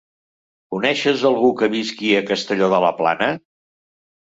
Coneixes algú que visqui a Castelló de la Plana?